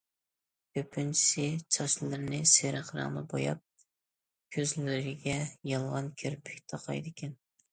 كۆپىنچىسى چاچلىرىنى سېرىق رەڭدە بوياپ، كۆزلىرىگە يالغان كىرپىك تاقايدىكەن.